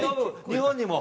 日本にも。